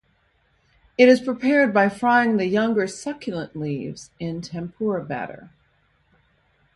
It is prepared by frying the younger succulent leaves in tempura batter.